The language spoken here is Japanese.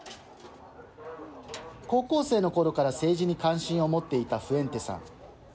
高校生のころから政治に関心を持っていたフエンテさん。